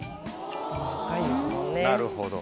なるほど。